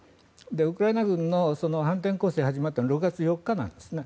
ウクライナ軍の反転攻勢が始まったのは６月４日なんですね。